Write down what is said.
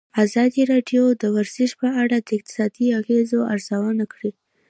ازادي راډیو د ورزش په اړه د اقتصادي اغېزو ارزونه کړې.